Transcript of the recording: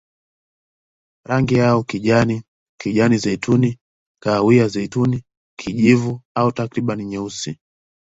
Rangi yao kijani, kijani-zeituni, kahawia-zeituni, kijivu au takriban nyeusi.